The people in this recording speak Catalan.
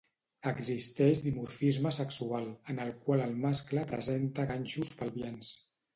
Existeix dimorfisme sexual, en el qual el mascle presenta ganxos pelvians.